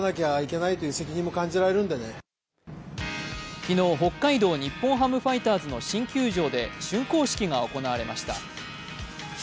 昨日、北海道日本ハムファイターズの新球場で竣工式が行われました。